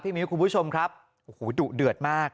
มิ้วคุณผู้ชมครับโอ้โหดุเดือดมาก